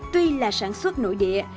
tuy là sản xuất nội địa